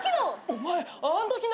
お前あんときの。